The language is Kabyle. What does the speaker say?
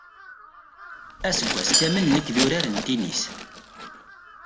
Aseggas kamel nekk d urar n tinis.